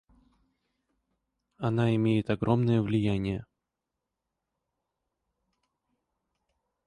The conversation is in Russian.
Она имеет огромное влияние.